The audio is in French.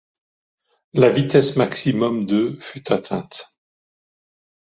La vitesse maximum de fut atteinte.